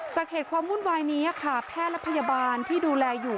เหตุความวุ่นวายนี้ค่ะแพทย์และพยาบาลที่ดูแลอยู่